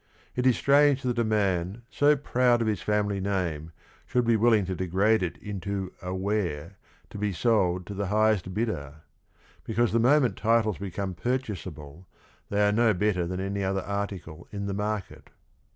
It is strange that a man so proud of his family name should be willing to degrade it into a ware to be sold to the highest bidder; because the moment titles be come purchasable, they are no better than any other article in the market.